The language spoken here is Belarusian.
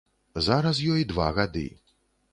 Зараз ёй два гады.